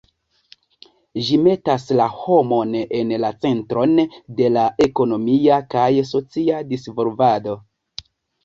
Ĝi metas la homon en la centron de la ekonomia kaj socia disvolvado.